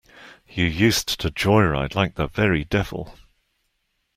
You used to joyride like the very devil.